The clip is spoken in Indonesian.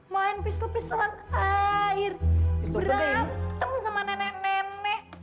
main pistol pistolan air berantem sama nenek nenek